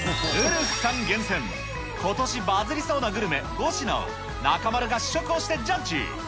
ウルフさん厳選、ことしバズりそうなグルメ５品を中丸が試食をしてジャッジ。